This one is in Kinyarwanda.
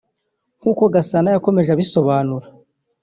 nk’uko Gasana yakomeje abisobanura